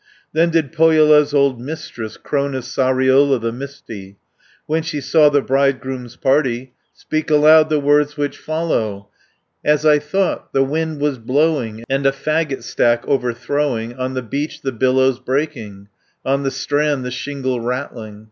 Then did Pohjola's old Mistress, Crone of Sariola the misty, 20 When she saw the bridegroom's party, Speak aloud the words which follow: "As I thought, the wind was blowing And a faggot stack overthrowing, On the beach the billows breaking, On the strand the shingle rattling.